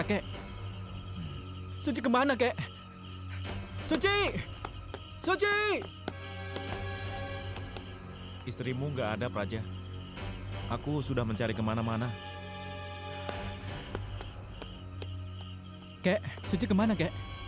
kakek suci kemana kek